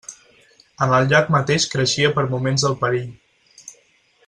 En el llac mateix creixia per moments el perill.